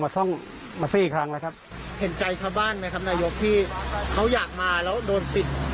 ที่เขาอยากมาแล้วโดนติด